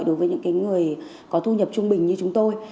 đối với những người có thu nhập trung bình như chúng tôi